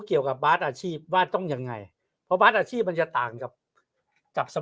เกี่ยวกับบาสอาชีพบ้านต้องยังไงบัตรอาชีพมันจะต่างกับจากสมัคร